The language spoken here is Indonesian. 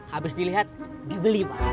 habis dilihat dibeli pak